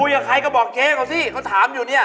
พูดคุยกับใครก็บอกเจ๊เลยจริงเขาถามอยู่นี่